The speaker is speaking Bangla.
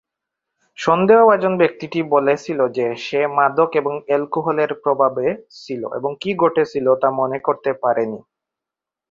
সন্দেহভাজন ব্যক্তি টি বলেছিল যে সে "মাদক এবং অ্যালকোহলের প্রভাবে" ছিল এবং কী ঘটেছিল তা মনে করতে পারেনি।